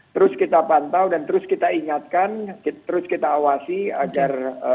terus kita pantau dan terus kita ingatkan terus kita awasi agar